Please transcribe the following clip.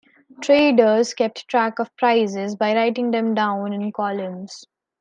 Traders kept track of prices by writing them down in columns.